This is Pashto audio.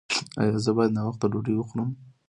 ایا زه باید ناوخته ډوډۍ وخورم؟